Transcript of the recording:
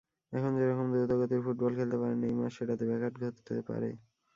এখন যেরকম দ্রুতগতির ফুটবল খেলতে পারেন নেইমার, সেটাতে ব্যাঘাত ঘটতে পারে।